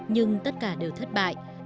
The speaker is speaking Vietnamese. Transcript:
nhưng tất cả đều thất bại